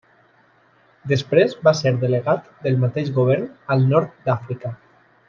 Després va ser delegat del mateix govern al Nord d'Àfrica.